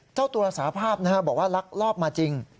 เจ้าตัวสาภาพบอกว่าลักลอบมาจริง